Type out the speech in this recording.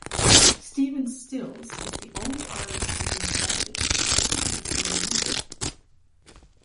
Stephen Stills is the only artist to be inducted twice in the same year.